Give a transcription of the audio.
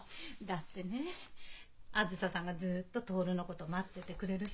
だってねあづささんがずっと徹のこと待っててくれるしもう私。